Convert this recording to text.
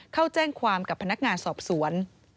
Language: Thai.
เข้าแจ้งความกับพนักงานสอบสวน